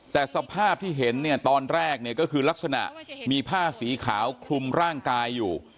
แต่สภาพที่เห็นเนี่ยตอนแรกเนี่ยก็คือลักษณะมีผ้าสีขาวคลุมร่างกายอยู่